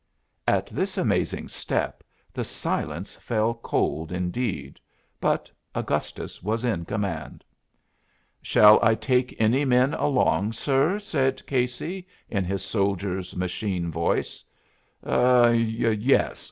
At this amazing step the silence fell cold indeed; but Augustus was in command. "Shall I take any men along, sir?" said Casey in his soldier's machine voice. "Er yes.